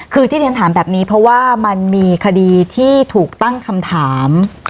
คือที่เรียนถามแบบนี้เพราะว่ามันมีคดีที่ถูกตั้งคำถาม